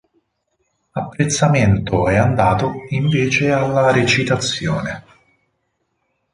Apprezzamento è andato invece alla recitazione.